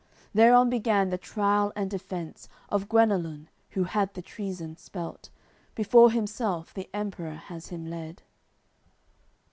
Thereon began the trial and defence Of Guenelun, who had the treason spelt. Before himself the Emperour has him led.